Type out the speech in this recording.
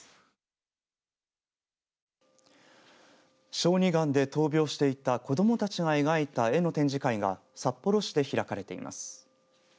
小児がんで闘病していた子どもたちが描いた絵の展示会が札幌市で開かれています。